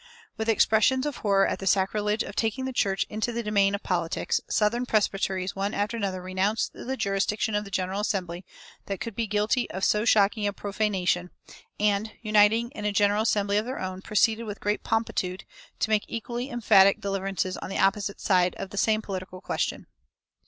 With expressions of horror at the sacrilege of taking the church into the domain of politics, southern presbyteries one after another renounced the jurisdiction of the General Assembly that could be guilty of so shocking a profanation, and, uniting in a General Assembly of their own, proceeded with great promptitude to make equally emphatic deliverances on the opposite side of the same political question.